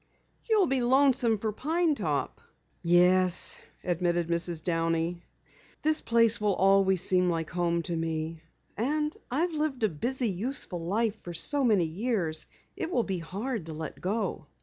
"You'll be lonesome for Pine Top." "Yes," admitted Mrs. Downey, "this place will always seem like home to me. And I've lived a busy, useful life for so many years it will be hard to let go."